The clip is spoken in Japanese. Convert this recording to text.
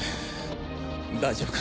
大丈夫か？